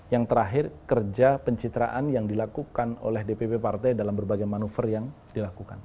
yang terakhir kerja pencitraan yang dilakukan oleh dpp partai dalam berbagai manuver yang dilakukan